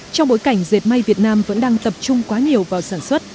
trong bối cảnh dệt may việt nam vẫn đang tập trung quá nhiều vào sản xuất